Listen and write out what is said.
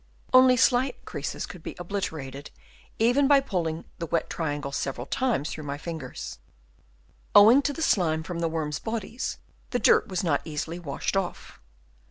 Only slight creases could be obliterated, even by pulling the wet triangles several Chap. II. THEIR INTELLIGENCE. 91 times through my fingers. Owing to the slime from the worms' bodies, the dirt was not easily washed off.